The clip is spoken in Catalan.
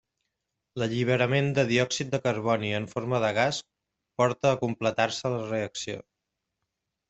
L'alliberament de diòxid de carboni en forma de gas porta a completar-se la reacció.